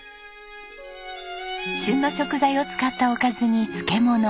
旬の食材を使ったおかずに漬物。